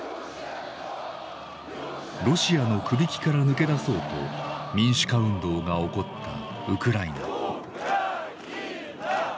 ロシアのくびきから抜け出そうと民主化運動が起こったウクライナ。